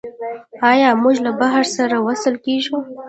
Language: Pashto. آیا موږ له بحر سره وصل کیږو؟